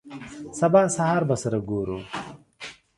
سبا سهار به سره ګورو.